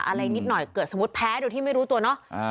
อะไรนิดหน่อยเกิดสมมุติแพ้โดยที่ไม่รู้ตัวเนาะ